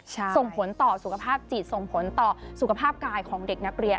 ส่งผลต่อสุขภาพจิตส่งผลต่อสุขภาพกายของเด็กนักเรียน